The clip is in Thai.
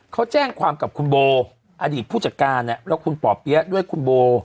เขาแจ้งความกับคุณโบอดีตผู้จัดการแล้วคุณป่อเปี๊ยะด้วยคุณโบ